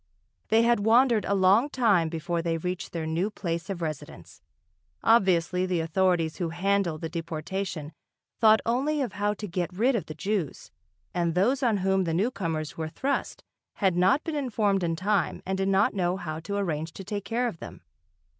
They had wandered a long time before they reached their new place of residence. Obviously, the authorities who handled the deportation thought only of how to get rid of the Jews, and those on whom the newcomers were thrust had not been informed in time and did not know how to arrange to take care of them.